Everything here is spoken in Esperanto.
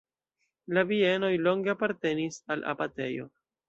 La bienoj longe apartenis al abatejo.